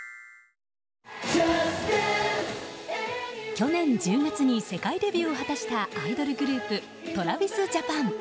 去年１０月に世界デビューを果たしたアイドルグループＴｒａｖｉｓＪａｐａｎ。